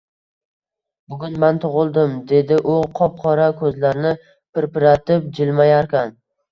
Bugun man tug'ildim, — dedi u qop-qora ko'zlarini pirpiratib jilmayarkan.